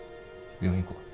病院行こう。